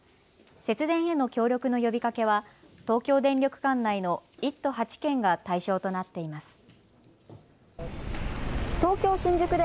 節電への協力の呼びかけは東京電力管内の１都８県が対象となっています。